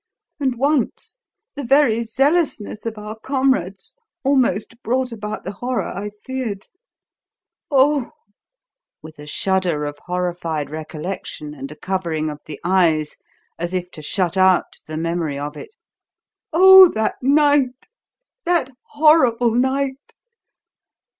And once the very zealousness of our comrades almost brought about the horror I feared. Oh!" with a shudder of horrified recollection and a covering of the eyes, as if to shut out the memory of it "Oh! that night that horrible night!